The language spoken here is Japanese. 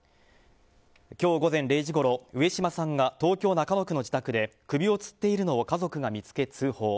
今日午前０時ごろ上島さんが東京・中野区の自宅で首をつっているのを家族が見つけ通報。